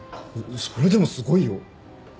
それでもすごいよ。